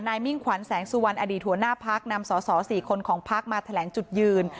นายมิ่งขวัญแสงสุวรรณอดีตัวหน้าภักดิ์นำสอสอสี่คนของภักดิ์มาแถลงจุดยืน